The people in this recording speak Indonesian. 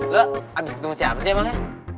lo abis ketemu siapa sih emangnya